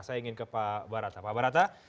saya ingin ke pak barata pak barata